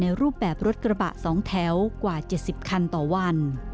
รูปแบบรถกระบะ๒แถวกว่า๗๐คันต่อวัน